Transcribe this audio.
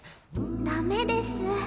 ダメです。